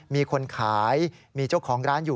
มีคนขายมีเจ้าของร้านอยู่